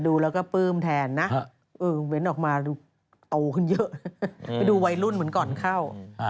ดูแล้วก็ปลื้มแทนนะเว้นออกมาดูโตขึ้นเยอะไปดูวัยรุ่นเหมือนก่อนเข้า